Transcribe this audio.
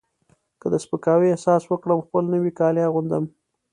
که د سپکاوي احساس وکړم خپل نوي کالي اغوندم.